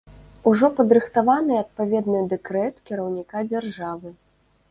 Ужо падрыхтаваны адпаведны дэкрэт кіраўніка дзяржавы.